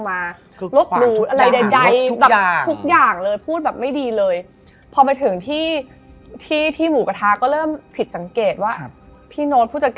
อาบอยู่ดีอะจิ้งจกตกลงมาแบบปุ้ม